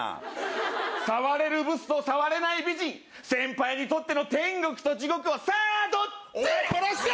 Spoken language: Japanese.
さわれるブスと、さわれない美人先輩にとっての天国と地獄はさあ、どっち。